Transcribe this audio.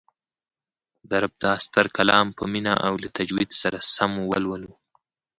د رب دا ستر کلام په مینه او له تجوید سره سم ولولو